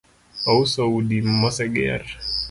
Ouso udi moseger